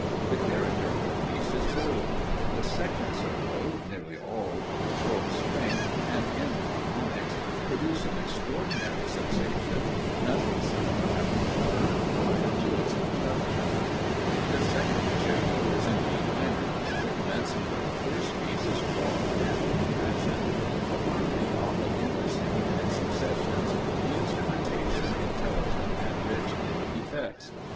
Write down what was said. The character of the piece is bold: the second solo, nearly all on the fourth string and in harmonics, produced an extraordinary sensation, nothing similar having been heard prior to its introduction. The second concerto is in B minor. The commencement of the first piece is broad and impassioned; the harmony often interesting in its successions; the instrumentation intelligent and rich in effects.